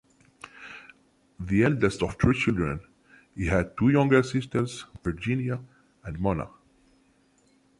The eldest of three children, he had two younger sisters-Virginia and Mona.